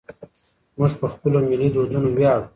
موږ په خپلو ملي دودونو ویاړو.